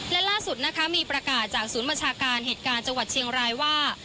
และล่าสุดนะคะมีประกาศจากศูนย์บัญชาการเหตุการณ์จังหวัดเชียงรายว่า